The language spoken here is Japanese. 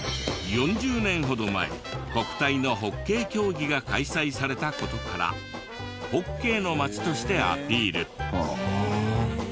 ４０年程前国体のホッケー競技が開催された事から「ホッケーの町」としてアピール。